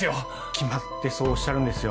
決まってそうおっしゃるんですよ